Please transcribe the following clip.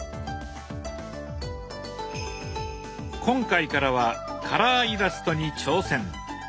今回からはカラーイラストに挑戦。